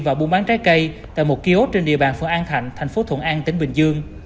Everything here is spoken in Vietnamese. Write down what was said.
và buôn bán trái cây tại một kiosk trên địa bàn phường an thạnh thành phố thuận an tỉnh bình dương